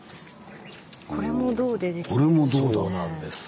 これも銅でできてるんですね。